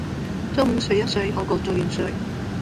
中午睡一睡好過做元帥